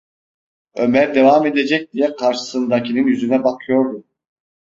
Ömer devam edecek diye karşısındakinin yüzüne bakıyordu.